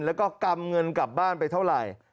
แล้วก็กำเงินกลับบ้านไปเท่าไหร่